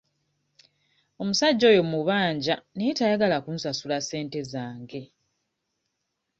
Omusajja oyo mmubanja naye tayagala kunsasula ssente zange.